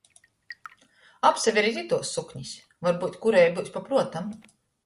Apsaverit ituos suknis, varbyut kurei byus pa pruotam!